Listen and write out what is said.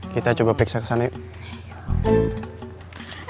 kita coba periksa kesana yuk